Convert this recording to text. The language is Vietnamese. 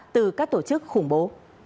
từ các tổ chức khủng bố